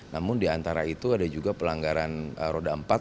namun diantara itu ada juga pelanggaran roda empat